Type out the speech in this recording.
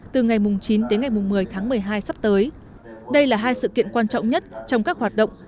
từ ngày chín đến ngày một mươi tháng một mươi hai sắp tới đây là hai sự kiện quan trọng nhất trong các hoạt động